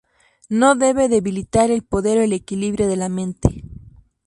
No debe debilitar el poder o el equilibrio de la mente.